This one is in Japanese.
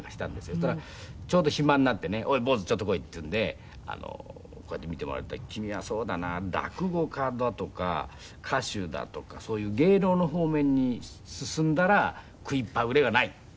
そしたらちょうど暇になってね「おい坊主ちょっと来い」って言うんでこうやって見てもらったら「君はそうだな」「落語家だとか歌手だとかそういう芸能の方面に進んだら食いっぱぐれがない」。